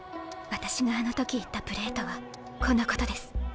私があの時言ったプレーとはこのことです。